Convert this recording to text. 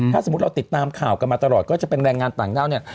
ถ้าสมมุติเราติดตามข่าวกันมาตลอดก็จะเป็นแรงงานต่างด้าวเนี่ย